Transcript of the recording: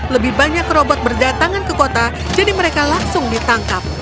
lebih banyak robot berdatangan ke kota jadi mereka langsung ditangkap